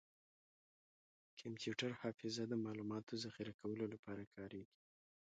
کمپیوټر حافظه د معلوماتو ذخیره کولو لپاره کارېږي.